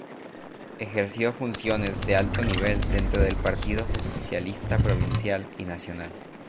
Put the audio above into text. Ejerció funciones de alto nivel dentro del Partido Justicialista provincial y nacional.